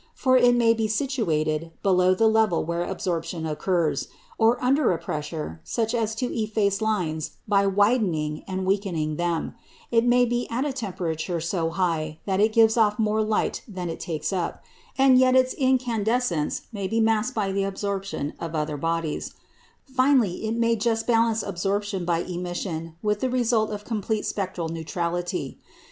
For it may be situated below the level where absorption occurs, or under a pressure such as to efface lines by widening and weakening them; it may be at a temperature so high that it gives out more light than it takes up, and yet its incandescence may be masked by the absorption of other bodies; finally, it may just balance absorption by emission, with the result of complete spectral neutrality.